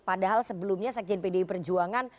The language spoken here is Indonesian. padahal sebelumnya sekjen pdi perjuangan